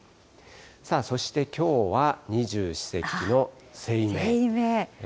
さあそして、きょうは二十四節気の清明。